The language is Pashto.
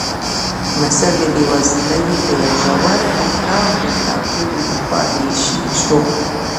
مصر د بېوزلۍ په یو ژور او پراخ ګرداب کې ډوب پاتې شو.